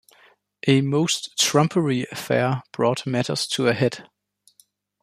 A most trumpery affair brought matters to a head.